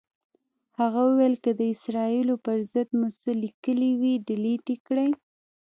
هغه ویل که د اسرائیلو پر ضد مو څه لیکلي وي، ډیلیټ یې کړئ.